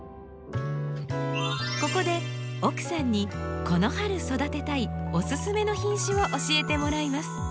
ここで奥さんにこの春育てたいおすすめの品種を教えてもらいます。